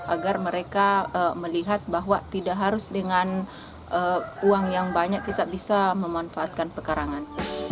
agar mereka melihat bahwa tidak harus dengan uang yang banyak kita bisa memanfaatkan pekarangan